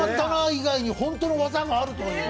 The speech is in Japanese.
以外に本当の技があるという。